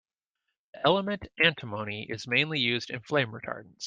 The element antimony is mainly used in flame retardants.